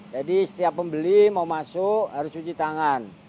jadi setiap pembeli mau masuk harus cuci tangan